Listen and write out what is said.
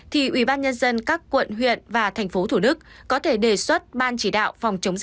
thì ubnd các quận huyện và thành phố thủ đức có thể đề xuất ban chỉ đạo phòng chống dịch